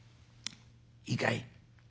「いいかい？